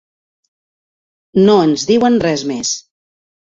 No ens diuen res més.